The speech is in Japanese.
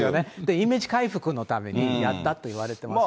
イメージ回復のためにやったといわれてます。